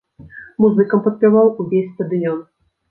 Музыкам падпяваў увесь стадыён.